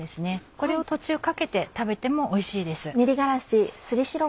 これを途中かけて食べてもおいしいです。